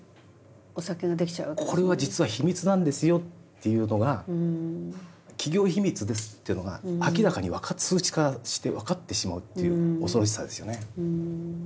「これは実は秘密なんですよ」っていうのが「企業秘密です」っていうのが明らかに数値化して分かってしまうっていう恐ろしさですよね。